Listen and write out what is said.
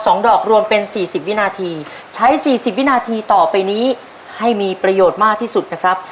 สองดอกรวมเป็นสี่สิบวินาทีใช้สี่สิบวินาทีต่อไปนี้ให้มีประโยชน์มากที่สุดนะครับ